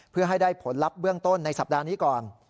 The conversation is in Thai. เพื่อให้ได้ผลลัพธ์เบื้องต้นในสัปดาห์นี้ก่อน